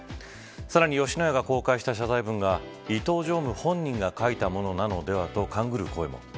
さらに吉野家が公開した謝罪文が伊東常務本人が書いたものなのではと勘ぐる声も。